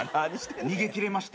逃げ切れまして。